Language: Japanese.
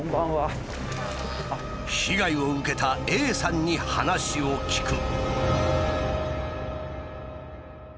被害を受けたＡさんに話を聞く。